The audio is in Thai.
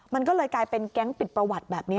มันก็เลยกลายเป็นแก๊งปิดประวัติแบบนี้